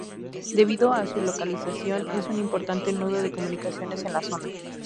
Debido a su localización es un importante nudo de comunicaciones en la zona.